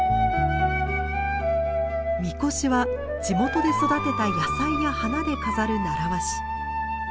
神輿は地元で育てた野菜や花で飾る習わし。